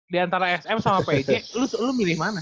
diantara sm sama pyg lu milih mana